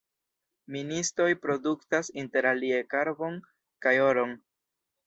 Ministoj produktas interalie karbon kaj oron.